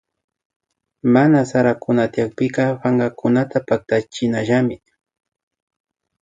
Mana sarakuna tyakpika pankakunata patachinallami